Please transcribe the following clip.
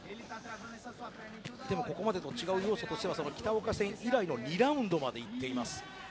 でも、ここまでと違う要素としては北岡戦以来の２ラウンドまで行っています。